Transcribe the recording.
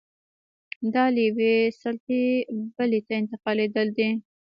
دا له یوې سلطې بلې ته انتقالېدل دي.